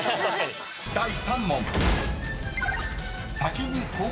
［第３問］